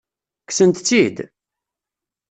Kksent-tt-id?